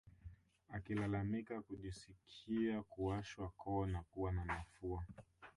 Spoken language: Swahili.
Akilalamika kujisikia kuwashwa koo na kuwa na mafua